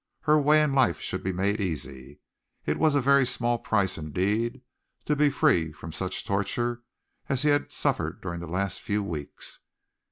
Her way in life should be made easy! It was a very small price, indeed, to be free from such torture as he had suffered during the last few weeks.